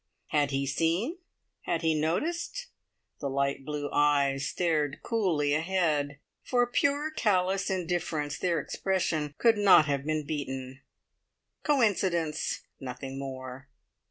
Had he seen? Had he noticed? The light blue eyes stared coolly ahead. For pure callous indifference their expression could not have been beaten. Coincidence! Nothing more.